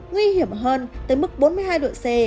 nguy hiểm hơn tới mức bốn mươi hai độ c